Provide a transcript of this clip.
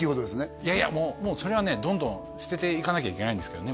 いやいやもうそれはねどんどん捨てていかなきゃいけないんですけどね